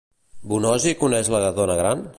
Bonosi coneix a la dona gran?